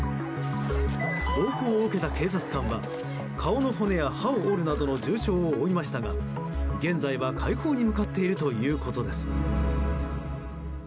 暴行を受けた警察官は顔の骨や歯を折るなどの重傷を負いましたが現在は快方に向かっているということです。